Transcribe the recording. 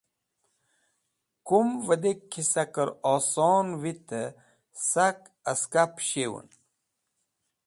Kumd vẽdek ki sakẽr oson vitẽ sak aska pẽs̃hewẽn.